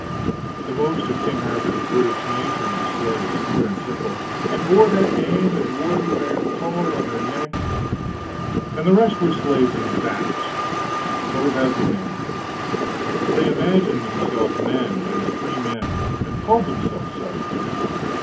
The most of King Arthur's British nation were slaves, pure and simple, and bore that name, and wore the iron collar on their necks; and the rest were slaves in fact, but without the name; they imagined themselves men and freemen, and called themselves so.